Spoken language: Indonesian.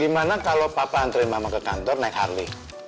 gimana kalau papa antri mama ke kantor naik harley